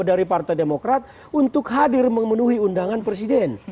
dari partai demokrat untuk hadir memenuhi undangan presiden